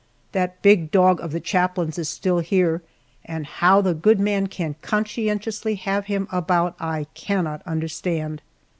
That big dog of the chaplain's is still here, and how the good man can conscientiously have him about, I cannot understand.